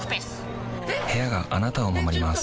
部屋があなたを守ります